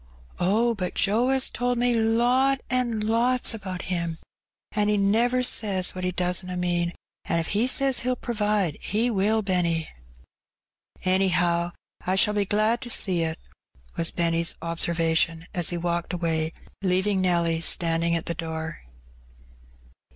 ''Oh> but Joe *as told me lot an* lots about Him; an' He never says what He doesna mean; an* if He says He'll provide. He will, Benny." ''Anyhow, I shall be glad to see it," was Benny's obser vation, as he walked away, leaving Nelly standing at the door.